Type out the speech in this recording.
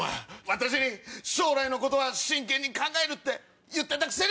私に将来のことは真剣に考えるって言ってたくせに。